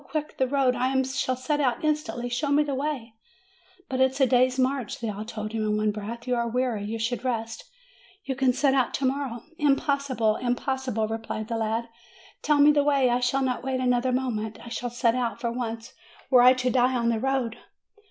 quick, the road ! I shall set out instantly ; show me the way !" "But it is a day's march," they all told him, in one breath. "You are weary; you should rest; you can set out to morrow." "Impossible! impossible!" replied the lad. Tell me the way; I shall not wait another moment; I shall set out at once, were I to die on the road!"